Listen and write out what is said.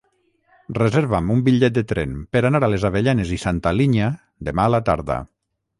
Reserva'm un bitllet de tren per anar a les Avellanes i Santa Linya demà a la tarda.